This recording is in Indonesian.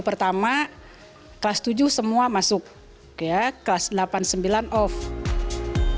pertama kelas tujuh semua masuk ya kelas delapan sembilan of di surabaya wali kota trirismahal